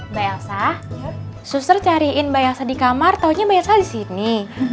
mbak elsa susur cariin mbak elsa di kamar taunya mbak elsa disini